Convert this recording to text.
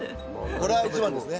これは一番ですね。